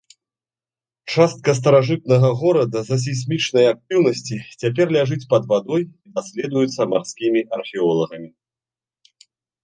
Частка старажытнага горада з-за сейсмічнай актыўнасці цяпер ляжыць пад вадой і даследуецца марскімі археолагамі.